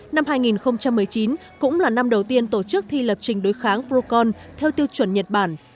năm hai nghìn một mươi chín cũng là năm đầu tiên tổ chức thi lập trình đối kháng procon theo tiêu chuẩn nhật bản